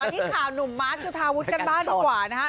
ที่ข่าวหนุ่มมาร์คจุธาวุฒิกันบ้างดีกว่านะฮะ